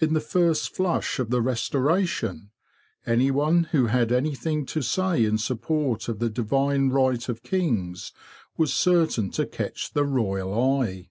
In the first flush of the Restoration, anyone who had anything to say in support of the divine right of kings was certain to catch the Royal eye.